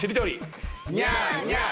ニャーニャー。